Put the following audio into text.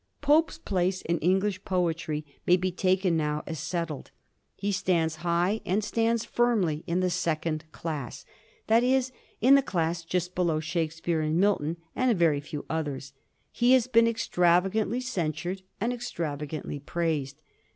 Pope's place in English poetry may be taken now as settled. He stands high and stands firmly in the second class : that is, in the class just below Shakespeare and Milton and a very few others. He has been extravagantly censured and extravagantly praised.